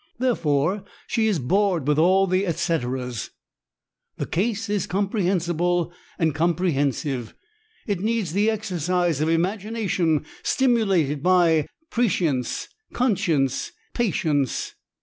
Therefore, she is bored with all the etcetras. The case is comprehensible and comprehensive: it needs the exercise of imagination stimulated by prescience, conscience, patience...."